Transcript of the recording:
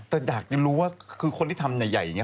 แต่อยากจะรู้ว่าคือคนที่ทำใหญ่อย่างนี้